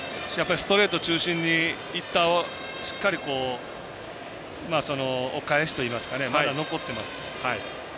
ストレート中心にしっかりかえすといいますかまだ残ってます。